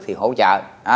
thì hỗ trợ